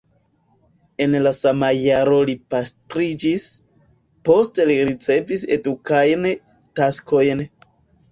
En la sama jaro li pastriĝis, poste li ricevis edukajn taskojn.